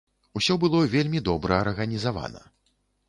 Усё было вельмі добра арганізавана.